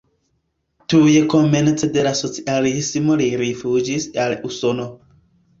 Tuj komence de la socialismo li rifuĝis al Usono.